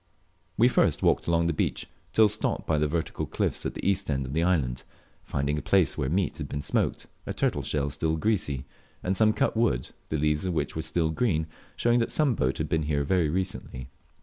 We first walked along the beach, till stopped by the vertical cliffs at the east end of the island, finding a place where meat had been smoked, a turtle shell still greasy, and some cut wood, the leaves of which were still green, showing that some boat had been here very recently.